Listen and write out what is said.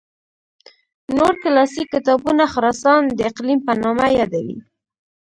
نور کلاسیک کتابونه خراسان د اقلیم په نامه یادوي.